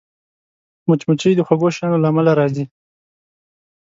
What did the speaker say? مچمچۍ د خوږو شیانو له امله راځي